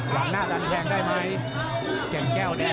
หวังหน้าร้านแทงได้ไหม